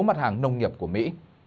mặt hàng nông nghiệp của mỹ